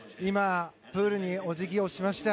プールにお辞儀をしました。